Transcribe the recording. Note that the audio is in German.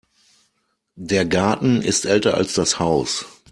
Der Garten ist älter als das Haus.